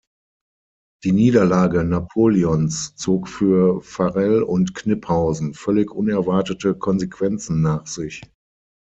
Die Niederlage Napoleons zog für Varel und Kniphausen völlig unerwartete Konsequenzen nach sich.